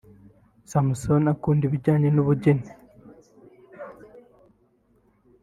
Samson akunda ibijyanye n’ubugeni